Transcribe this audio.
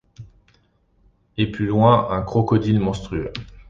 Et plus loin un crocodile monstrueux !